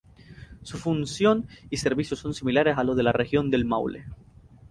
Su función y servicios son similares a los de la Región del Maule.